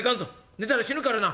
寝たら死ぬからな」。